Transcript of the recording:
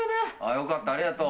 よかった、ありがとう。